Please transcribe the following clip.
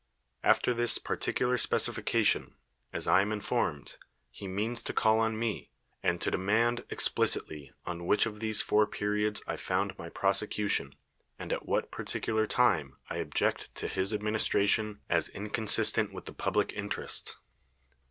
After this particular specification, as I am informed, he means to call on me, and to de mand explicitly on which of these four periods I found :ry prosecution, and at what i^articular time I object to his administration as inconsis tent with the public interest.